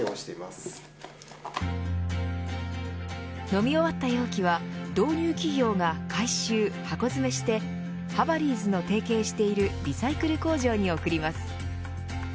飲み終わった容器は導入企業が回収、箱詰めしてハバリーズの提携しているリサイクル工場に送ります。